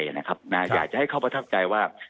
อยากจะให้เขาประทับใจว่า